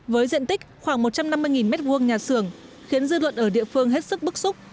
với diện tích khoảng một trăm năm mươi m hai nhà xưởng khiến dư luận ở địa phương hết sức bức xúc